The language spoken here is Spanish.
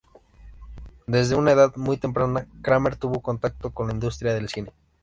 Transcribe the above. Desde una edad muy temprana, Kramer tuvo contactos con la industria del cine.